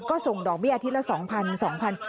ก็ส่งดอกเบี้อาทิตย์ละ๒๐๐๒๐๐บาท